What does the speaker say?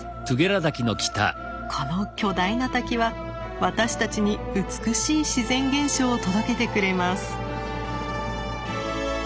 この巨大な滝は私たちに美しい自然現象を届けてくれます。